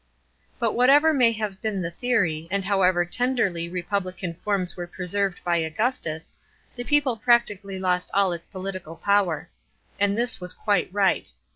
But whatever may have been the theory, and however tenderly republican forms were preserved by Augustus, the people practically lost all its political power. And this was quite right.